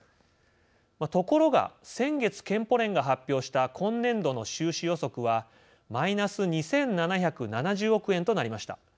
ところが、先月健保連が発表した今年度の収支予測はマイナス２７７０億円となりました。